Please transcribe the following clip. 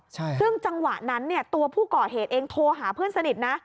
ซึ่งจังหวะนั้นเนี่ยตัวผู้ก่อเหตุเองโทรหาเพื่อนสนิทนะ